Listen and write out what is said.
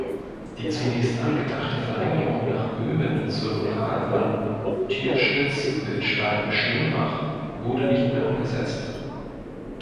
Die zunächst angedachte Verlängerung nach Böhmen zur Lokalbahn Tirschnitz–Wildstein–Schönbach wurde nicht mehr umgesetzt.